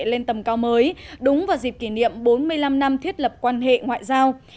lên tầm cao mới đúng vào dịp kỷ niệm bốn mươi năm năm thiết lập quan hệ ngoại giao